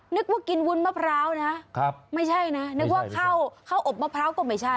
นึกว่ากินวุ้นมะพร้าวนะไม่ใช่นะนึกว่าข้าวอบมะพร้าวก็ไม่ใช่